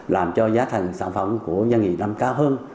làm cho giá thành sản phẩm của doanh nghiệp năm cao hơn